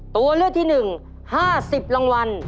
ตัวเลือกที่๑๕๐รางวัล